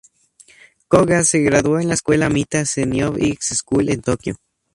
Kōga se graduó de la escuela Mita Senior High School en Tokio.